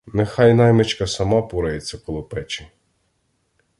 Нехай наймичка сама порається коло печі.